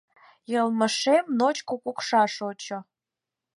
Йылмешем ночко кокша шочшо!